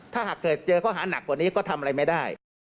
ถ้าหากเกิดเจอข้อหานักกว่านี้ก็ทำอะไรไม่ได้